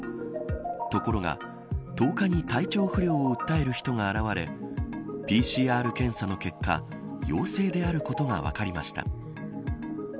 ところが、１０日に体調不良を訴える人が現れＰＣＲ検査の結果陽性であることが分かりました。